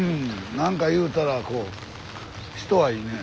なんか言うたらこう人はいいねえ。